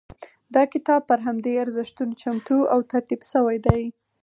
دا کتاب پر همدې ارزښتونو چمتو او ترتیب شوی دی.